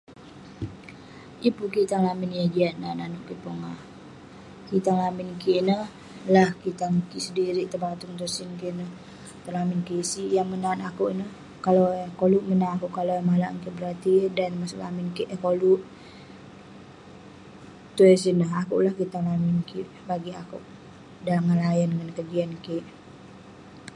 Yeng pun kitang lamin yah jiak nat nanouk kik pongah. Kitang lamin kik ineh lah kitang kik sedirik tong batung tong sin kik neh tong lamin kik. Sik yah menat akouk ineh, kalau yah koluk menat akouk, kalau [unintelligible] berarti dan neh maseg lamin kik eh koluk tuai sineh. Akouk lah kitang lamin kik bagik akouk. Tuai ngelayan ngan kejian kik.